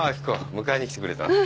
迎えに来てくれたのか。